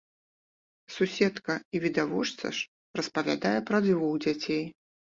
Суседка і відавочца ж распавядае пра двух дзяцей.